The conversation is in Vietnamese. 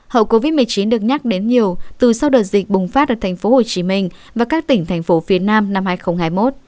hậu covid một mươi chín được nhắc đến nhiều từ sau đợt dịch bùng phát ở thành phố hồ chí minh và các tỉnh thành phố phía nam năm hai nghìn hai mươi một